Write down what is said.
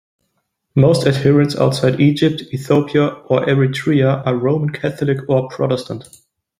Most adherents outside Egypt, Ethiopia and Eritrea are Roman Catholic or Protestant.